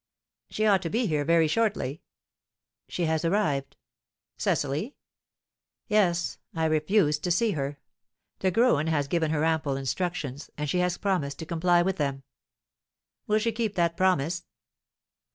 "She ought to be here very shortly." "She has arrived." "Cecily?" "Yes; I refused to see her. De Graün has given her ample instructions, and she has promised to comply with them." "Will she keep that promise?"